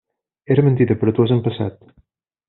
Era mentida però t'ho has empassat.